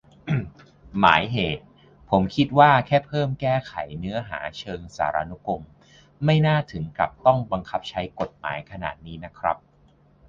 หมายเหตุ : ผมคิดว่าแค่เพิ่มแก้ไขเนื้อหาเชิงสารานุกรม ไม่น่าถึงกับต้องบังคับใช้กฎหมายขนาดนี้นะครับ